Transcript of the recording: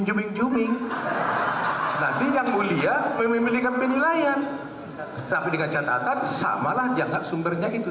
zooming zooming nanti yang mulia memiliki penilaian tapi dengan catatan samalah jangka sumbernya itu